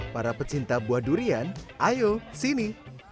para pecinta buah durian ayo sini